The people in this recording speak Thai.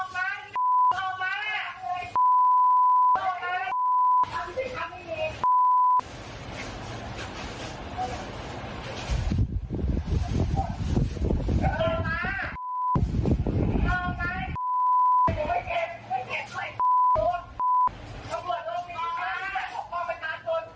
นอกมานอกมานอกมา